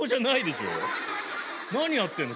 何やってんの？